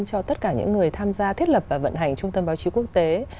cho tất cả những người tham gia thiết lập và vận hành trung tâm báo chí quốc tế